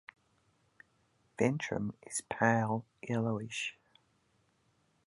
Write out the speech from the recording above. Ventrum is pale yellowish.